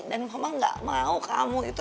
dan mama gak mau kamu itu